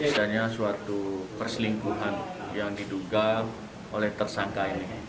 ini sebenarnya suatu perselingkuhan yang diduga oleh tersangka ini